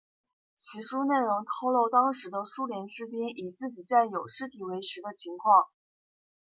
其书内容透露当时的苏联士兵以自己战友尸体为食的情况。